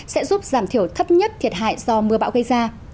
sẽ giúp giảm thiểu thấp nhất thiệt hại do mưa bão gây ra